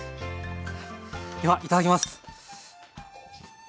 ではいただきます。